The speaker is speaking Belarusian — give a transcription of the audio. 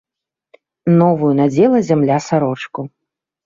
Новую надзела зямля сарочку.